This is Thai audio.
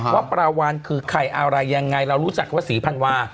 ว่าปลาวานคือใครอะไรยังไงเรารู้จักว่าศรีพันวา